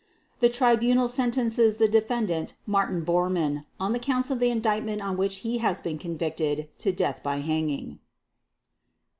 "The Tribunal sentences the Defendant Martin Bormann, on the Counts of the Indictment on which he has been convicted, to death by hanging."